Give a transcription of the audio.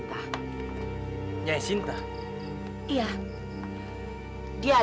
yang ini pihak ini kau ikkeh dengar